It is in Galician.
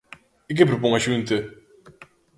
¿E que propón a Xunta?